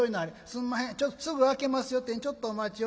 「すんまへんすぐ開けますよってにちょっとお待ちを。